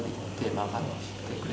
曲がってる。